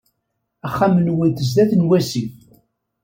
Axxam-nwent sdat n wasif.